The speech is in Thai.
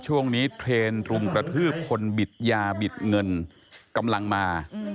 เทรนด์รุมกระทืบคนบิดยาบิดเงินกำลังมา